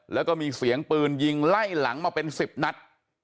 แล้วก็มีเสียงปืนยิงไล่หลังมาเป็น๑๐นัด